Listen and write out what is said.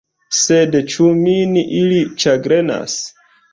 Sed ĉu Min ili ĉagrenas?